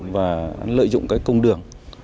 và lợi dụng công đường